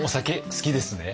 好きです。